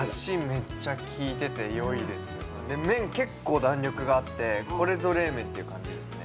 めっちゃきいててよいですで麺結構弾力があってこれぞ冷麺っていう感じですね